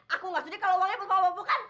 aku gak sudi kalau uangnya buat mabuk mabuk kan